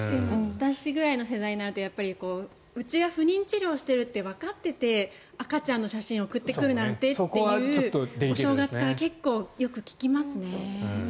私くらいの世代になるとうちが不妊治療してるってわかってて赤ちゃんの写真を送ってくるなんてっていうお正月から結構聞きますね。